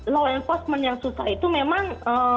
law enforcement yang susah itu memang